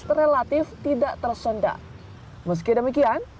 di kota kota lainnya hal ini berlanjut kekendaraan